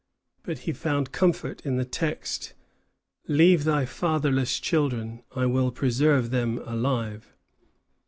But he found comfort in the text, "Leave thy fatherless children, I will preserve them alive."